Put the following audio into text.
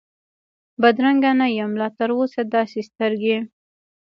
بدرنګه نه یم لا تراوسه داسي سترګې،